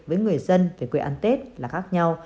với người dân về quê ăn tết là khác nhau